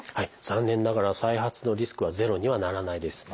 残念ながら再発のリスクはゼロにはならないです。